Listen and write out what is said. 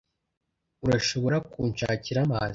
Urashobora kunshakira amazi?